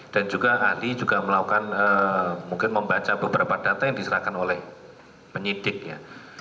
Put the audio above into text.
dan juga ahli juga melakukan mungkin membaca beberapa data yang diserahkan oleh penyidiknya